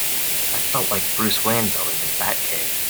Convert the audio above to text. I felt like Bruce Wayne building his Batcave!